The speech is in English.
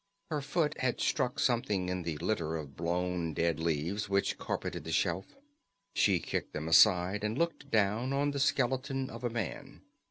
Her foot had struck something in the litter of blown dead leaves which carpeted the shelf. She kicked them aside and looked down on the skeleton of a man.